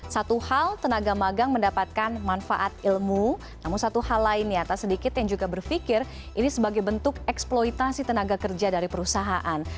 satu hal tenaga magang mendapatkan manfaat ilmu namun satu hal lainnya tak sedikit yang juga berpikir ini sebagai bentuk eksploitasi tenaga kerja dari perusahaan